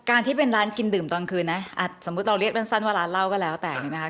ที่เป็นร้านกินดื่มตอนคืนนะสมมุติเราเรียกเรื่องสั้นว่าร้านเหล้าก็แล้วแต่เนี่ยนะคะ